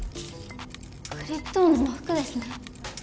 クリプトオンズのふくですね。